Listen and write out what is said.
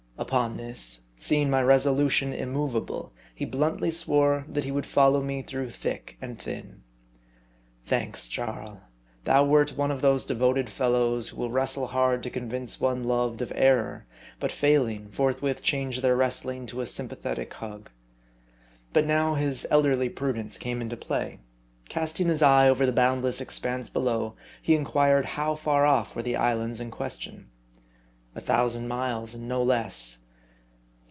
Upon this, seeing my resolution immovable, he bluntly swore that he would follow me through thick and thin. Thanks, Jarl ! thou wert one of those devoted fellows who will wrestle hard to convince one loved of error ; but failing, forthwith change their wrestling to a sympathetic hug. But now his elderly prudence came into play. Casting his eye over the boundless expanse below, he inquired how far off were the islands in question. ." A thousand miles and no less."